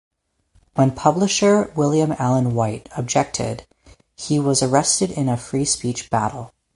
When publisher William Allen White objected, he was arrested in a free speech battle.